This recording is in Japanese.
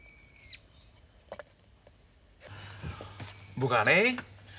僕はね